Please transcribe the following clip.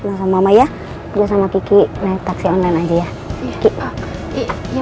lo sama maya gue sama kiki naik taksi online aja ya